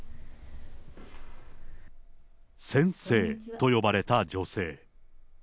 先生と呼ばれた女性。